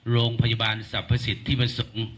โรงพยาบาลสรรพสิทธิประสุน